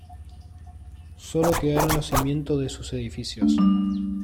Sólo quedaron los cimientos de sus edificios.